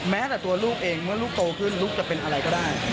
แม้แต่ตัวลูกเองเมื่อลูกโตขึ้นลูกจะเป็นอะไรก็ได้